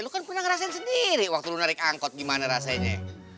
lu kan pernah ngerasain sendiri waktu lu narik angkot gimana rasanya